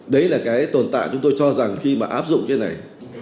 đấy là cái tồn tại chúng tôi cho rằng khi mà áp dụng cái này